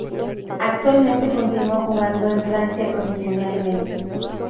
Actualmente continúa jugando en Francia profesionalmente.